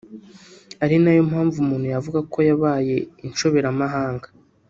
ari nayo mpamvu umuntu yavuga ko yabaye inshobera mahanga